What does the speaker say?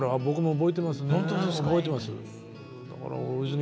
覚えてます。